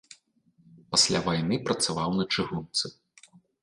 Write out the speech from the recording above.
Пасля вайны працаваў на чыгунцы.